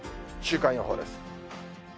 週間予報です。